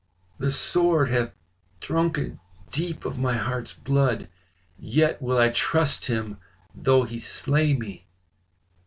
The sword hath drunken deep of my heart's blood, yet will I trust him though he slay me."